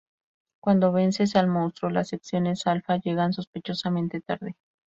Cuando vences al monstruo, las Secciones Alpha llegan, sospechosamente tarde.